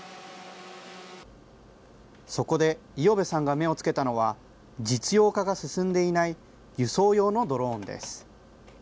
そこで五百部さんが目をつけたのは、実用化が進んでいない輸送用のドローンです。